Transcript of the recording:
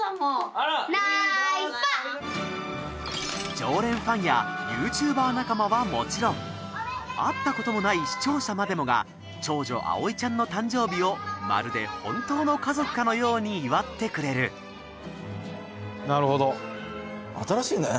常連ファンやＹｏｕＴｕｂｅｒ仲間はもちろん会ったこともない視聴者までもが長女あおいちゃんの誕生日をまるで本当のカゾクかのように祝ってくれるなるほど。